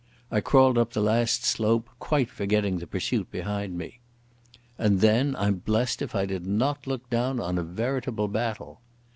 I crawled up the last slope, quite forgetting the pursuit behind me. And then I'm blessed if I did not look down on a veritable battle.